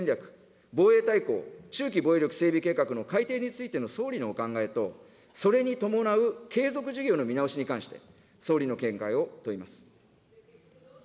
そこで、国家安全保障戦略、防衛大綱、中期防衛力整備計画の改定についての総理のお考えと、それに伴う継続事業の見直しに関して、総理の見解を問います。